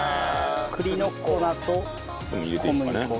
栗の粉と小麦粉。